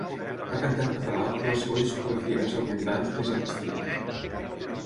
Va cantar en català però la seva discografia més abundant és en castellà.